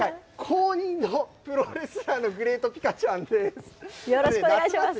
公認のプロレスラーのグレート・ピカちゃんです。